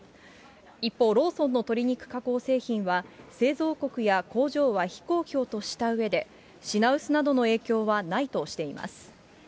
一方、ローソンの鶏肉加工製品は、製造国や工場は非公表としたうえで、品薄などの影響はないとしています。